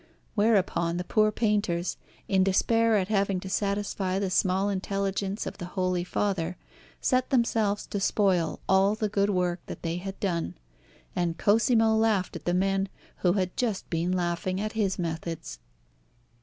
Whereupon the poor painters, in despair at having to satisfy the small intelligence of the Holy Father, set themselves to spoil all the good work that they had done; and Cosimo laughed at the men who had just been laughing at his methods.